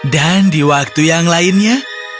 dan di waktu yang lainnya